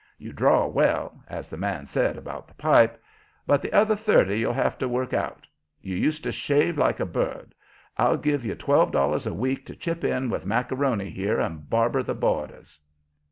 You draw well, as the man said about the pipe. But the other thirty you'll have to work out. You used to shave like a bird. I'll give you twelve dollars a week to chip in with Macaroni here and barber the boarders."